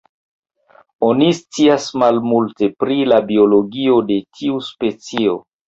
Oni scias malmulte pri la biologio de tiu specio.